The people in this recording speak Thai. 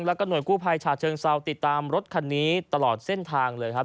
แล้วก็หน่วยกู้ภัยฉาเชิงเซาติดตามรถคันนี้ตลอดเส้นทางเลยครับ